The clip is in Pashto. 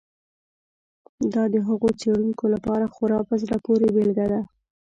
دا د هغو څېړونکو لپاره خورا په زړه پورې بېلګه ده.